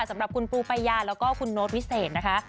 สำหรับคุณปูปายาแล้วก็คุณโน้ตวิเศษนะคะ